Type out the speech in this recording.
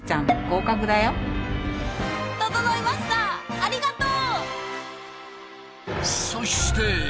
ありがとう！